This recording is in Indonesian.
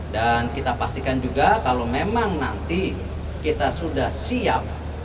dan kita pastikan juga kalau memang nanti kita sudah siap